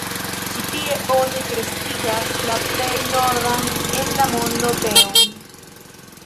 Ĉi tie oni kreskigas la plej nordan en la mondo teon.